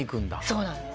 そうなんです。